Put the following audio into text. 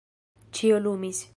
Ĉio lumis.